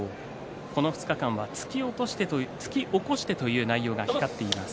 この２日間は突き起こしてという内容が光っています。